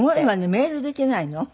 メールできないの？